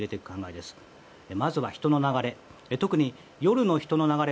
まずは人の流れ。